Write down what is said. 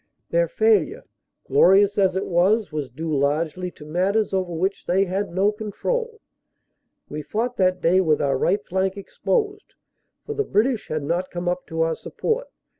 Their failure, glorious as it was, was due largely to matters over which they had no control. We fought that day with our right flank exposed, for the British had not come up to our support.